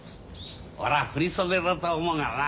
俺は振り袖だと思うがな。